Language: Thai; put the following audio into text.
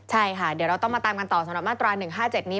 ใช่ค่ะเดี๋ยวเราต้องมาตามกันต่อสำหรับมาตรา๑๕๗นี้